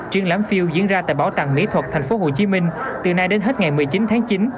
triển lãm phiêu diễn ra tại bảo tàng mỹ thuật tp hcm từ nay đến hết ngày một mươi chín tháng chín